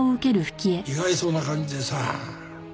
意外そうな感じでさ。